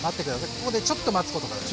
ここでちょっと待つことが大事。